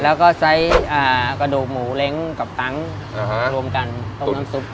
แล้วก็ใช้กระดูกหมูเล้งกับตังค์รวมกันต้มน้ำซุป